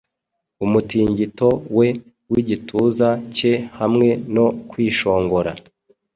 Umutingito we wigituza cye hamwe no kwishongora